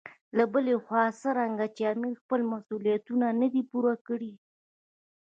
له بلې خوا څرنګه چې امیر خپل مسولیتونه نه دي پوره کړي.